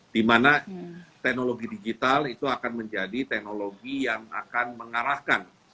di mana teknologi digital itu akan menjadi teknologi yang akan mengarahkan